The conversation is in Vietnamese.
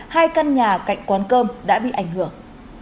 hai căn nhà cạnh quán cơm đã bị ảnh hưởng